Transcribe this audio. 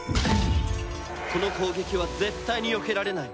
この攻撃は絶対によけられない。